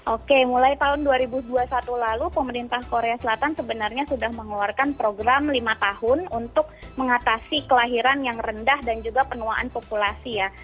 oke mulai tahun dua ribu dua puluh satu lalu pemerintah korea selatan sebenarnya sudah mengeluarkan program lima tahun untuk mengatasi kelahiran yang rendah dan juga penuaan populasi ya